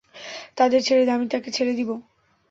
তাদের ছেড়ে দে, আমি তাকে ছেড়ে দিবো।